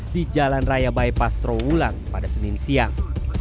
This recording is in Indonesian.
di jalan raya bypass trowulang pada senin siang